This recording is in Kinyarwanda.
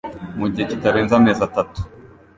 mu gihe kitarenze amezi atatu